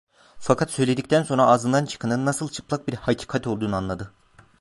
Fakat söyledikten sonra ağzından çıkanın nasıl çıplak bir hakikat olduğunu anladı.